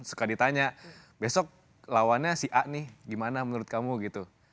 suka ditanya besok lawannya si a nih gimana menurut kamu gitu